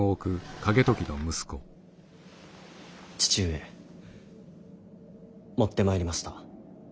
父上持ってまいりました。